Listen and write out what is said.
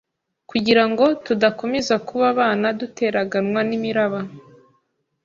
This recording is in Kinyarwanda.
kugira ngo tudakomeza kuba abana duteraganwa n’imiraba